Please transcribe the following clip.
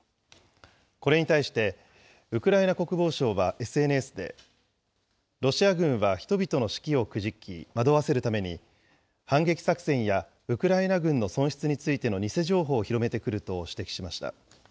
これに対して、ウクライナ国防省はＳＮＳで、ロシア軍は人々の士気をくじき、惑わせるために、反撃作戦やウクライナ軍の損失についての偽情報を広めてくると指摘しました。